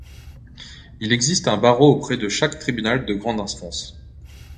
Il existe un barreau auprès de chaque tribunal de grande instance.